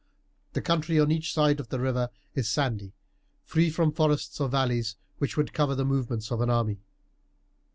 The country on each side of the river is sandy, free from forests or valleys, which would cover the movements of an army.